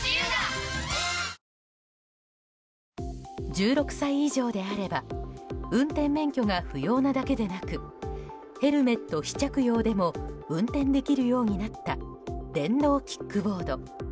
１６歳以上であれば運転免許が不要なだけでなくヘルメット非着用でも運転できるようになった電動キックボード。